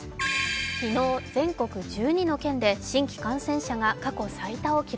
昨日全国１２の県で新規感染者が過去最多を記録。